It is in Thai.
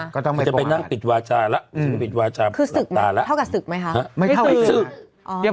ข้อไม่ได้อาบัติประราชิต